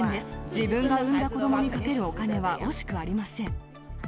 自分が産んだ子どもにかけるお金は惜しくありません。